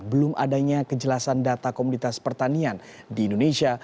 belum adanya kejelasan data komunitas pertanian di indonesia